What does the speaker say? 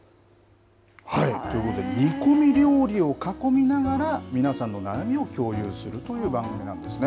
ということで煮込み料理を囲みながら皆さんの悩みを共有するという番組なんですね。